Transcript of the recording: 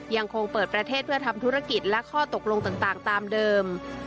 ยังคงเปิดประเทศเพื่อทำธุรกิจและข้อตกลงต่างตามเดิม